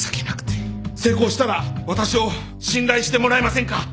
成功したら私を信頼してもらえませんか